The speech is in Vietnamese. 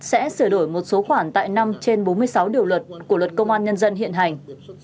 sẽ sửa đổi một số khoản tại năm trên bốn mươi sáu điều luật của luật công an nhân dân hiện hành